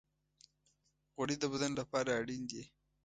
غوړې د بدن لپاره اړین دي.